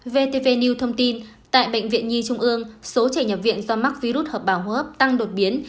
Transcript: vtv new thông tin tại bệnh viện nhi trung ương số trẻ nhập viện do mắc virus hợp bào hô hấp tăng đột biến